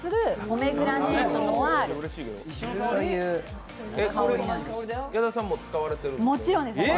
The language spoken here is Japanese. これ矢田さんも使われているんですか？